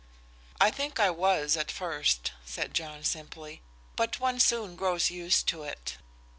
"I think I was at first," said John, simply. "But one soon grows used to it.